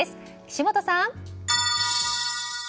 岸本さん。